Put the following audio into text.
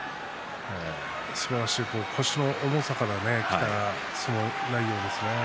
すばらしい腰の重さからきた相撲内容ですね。